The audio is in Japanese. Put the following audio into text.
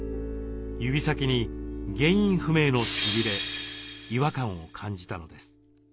指先に原因不明のしびれ違和感を感じたのです。